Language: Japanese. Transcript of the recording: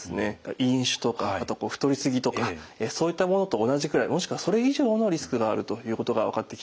飲酒とかあと太り過ぎとかそういったものと同じくらいもしくはそれ以上のリスクがあるということが分かってきたんです。